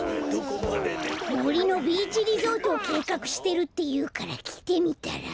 もりのビーチリゾートをけいかくしてるっていうからきてみたら。